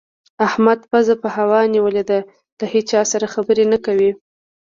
احمد پزه په هوا نيول ده؛ له هيچا سره خبرې نه کوي.